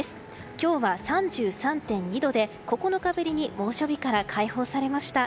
今日は３３．２度で９日ぶりに猛暑日から解放されました。